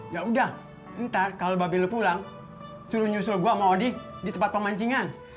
ya udah ntar kalau babe lo pulang suruh nyusul gue sama odi di tempat pemancingan